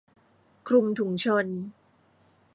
คลุมถุงชน